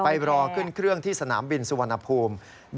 รอขึ้นเครื่องที่สนามบินสุวรรณภูมิ